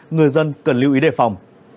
người dân cần lưu ý để phòng